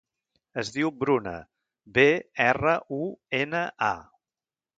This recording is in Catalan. Es diu Bruna: be, erra, u, ena, a.